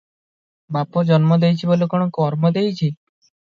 ବାପ ଜନ୍ମ ଦେଇଛି ବୋଲି କଣ କର୍ମ ଦେଇଛି?"